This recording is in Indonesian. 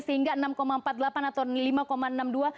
sehingga enam empat puluh delapan atau lima enam